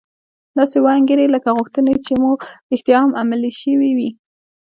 داسې وانګيرئ لکه غوښتنې چې مو رښتيا هم عملي شوې وي.